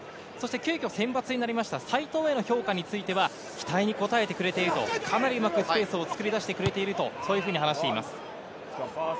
急きょ先発になりました齋藤への評価につきましては、期待に応えてくれていると、かなりうまくスペースを作り出してくれていると話しています。